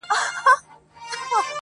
• خو ټوټې یې تر میلیون وي رسېدلي -